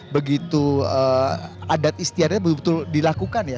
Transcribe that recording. begitu adat istiadanya betul betul dilakukan ya